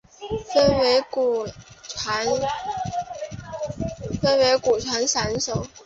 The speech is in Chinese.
分为古传散手。